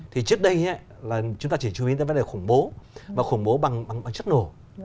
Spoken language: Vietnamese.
thì trước đây chúng ta chỉ chuẩn bị đến vấn đề khủng bố và khủng bố bằng chất nổ